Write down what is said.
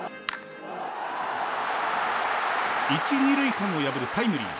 １、２塁間を破るタイムリー。